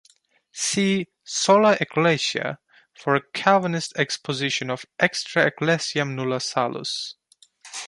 See "Sola Ecclesia" for a Calvinist exposition of "extra ecclesiam nulla salus".